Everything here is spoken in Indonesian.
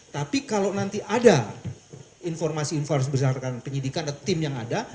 tapi kalau nanti ada informasi informasi berdasarkan penyidikan atau tim yang ada